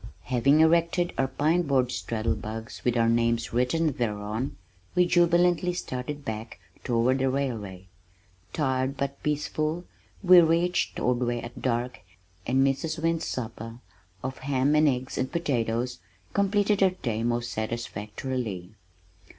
Having erected our pine board straddle bugs with our names written thereon, we jubilantly started back toward the railway. Tired but peaceful, we reached Ordway at dark and Mrs. Wynn's supper of ham and eggs and potatoes completed our day most satisfactorily.